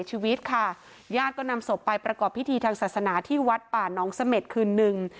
มีการศาสนาที่วัดป่าน้องเสม็ดคืนนึง